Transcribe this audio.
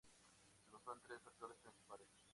Se basó en tres factores principales.